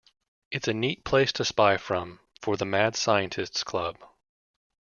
"It's a neat place to spy from" for the Mad Scientists Club.